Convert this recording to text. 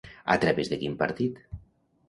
A través de quin partit?